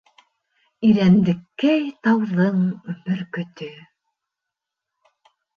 Ирәндеккәй тауҙың бөркөтө...